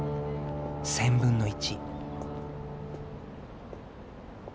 １０００分の１。